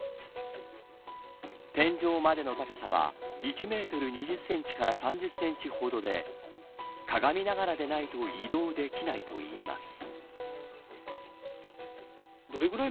天井までの高さは１メートル２０センチから３０センチほどでかがみながらでないと移動できないといいます。